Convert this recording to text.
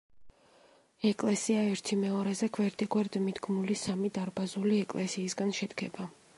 ეკლესია ერთიმეორეზე გვერდიგვერდ მიდგმული სამი დარბაზული ეკლესიისგან შედგება.